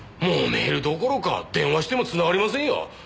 もめるどころか電話してもつながりませんよ！